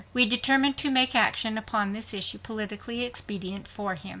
We determined to make action upon this issue politically expedient for him.